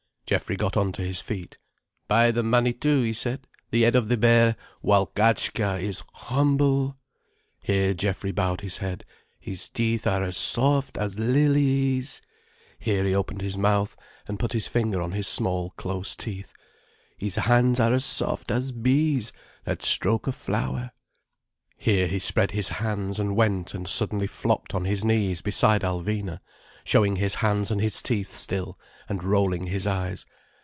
Geoffrey got on to his feet. "By the Manitou," he said, "the head of the bear Walgatchka is humble—" here Geoffrey bowed his head—"his teeth are as soft as lilies—" here he opened his mouth and put his finger on his small close teeth—"his hands are as soft as bees that stroke a flower—" here he spread his hands and went and suddenly flopped on his knees beside Alvina, showing his hands and his teeth still, and rolling his eyes.